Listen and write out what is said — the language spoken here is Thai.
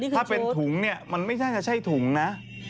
ถ้าเป็นถุงนี่มันไม่ใช่ถุงนะ